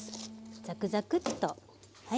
ザクザクッとはい。